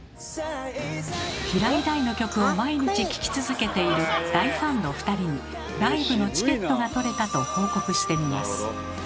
平井大の曲を毎日聴き続けている大ファンの２人にライブのチケットが取れたと報告してみます。